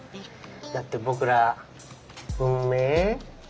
だって僕ら運命？